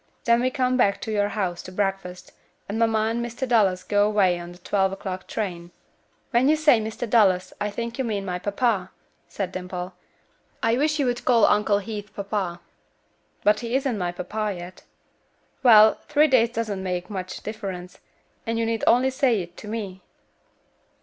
Then we come back to your house to breakfast, and mamma and Mr. Dallas go away on the twelve o'clock train." "When you say Mr. Dallas I think you mean my papa," said Dimple. "I wish you would call Uncle Heath papa." "But he isn't my papa yet." "Well, three days doesn't make much difference, and you need only say it to me."